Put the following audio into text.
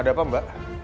ada apa mbak